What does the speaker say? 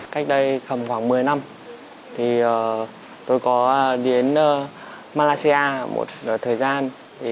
cách đây khoảng một mươi năm tôi có đến malaysia một thời gian